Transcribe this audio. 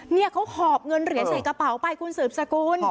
เนี่ยเขาหอบเงินเหรียญใส่กระเป๋าไปคุณสืบสกุล